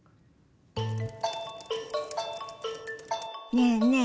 ねえねえ